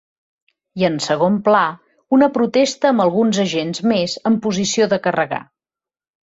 I en segon pla, una protesta amb alguns agents més en posició de carregar.